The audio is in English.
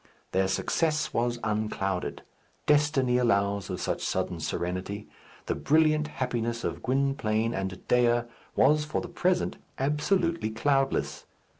Their success was unclouded. Destiny allows of such sudden serenity. The brilliant happiness of Gwynplaine and Dea was for the present absolutely cloudless.